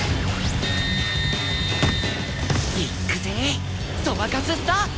いっくぜそばかすスター！